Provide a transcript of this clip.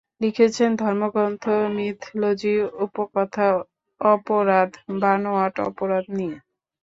লিখেছেন ধর্মগ্রন্থ, মিথলজি, উপকথা, অপরাধ, বানোয়াট অপরাধ নিয়ে।